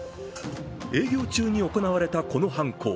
営業中に行われたこの犯行。